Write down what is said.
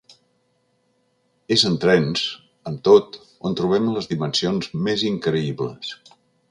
És en trens, amb tot, on trobem les dimensions més increïbles.